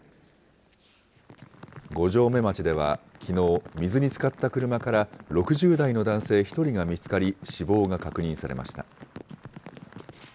五城目町ではきのう、水につかった車から６０代の男性１人が見つかり、死亡が確認されました。